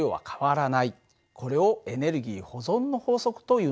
これをエネルギー保存の法則というんだ。